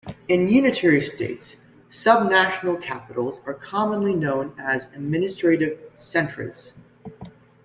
In unitary states, subnational capitals are commonly known as "administrative centres".